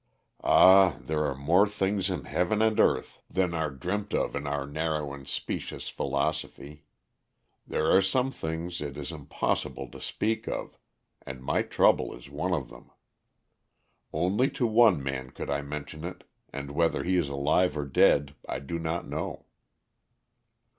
"Ah, there are more things in heaven and earth than are dreamt of in our narrow and specious philosophy. There are some things it is impossible to speak of, and my trouble is one of them. Only to one man could I mention it, and whether he is alive or dead I do not know."